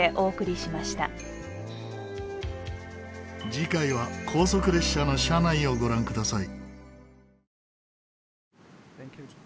次回は高速列車の車内をご覧ください。